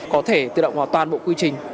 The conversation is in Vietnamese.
có thể tự động hóa toàn bộ quy trình